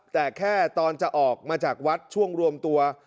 แต่แค่ตอนจะออกมาจากวัดช่วงรวมตัว